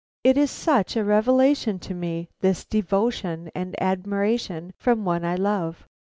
It is such a revelation to me this devotion and admiration from one I love.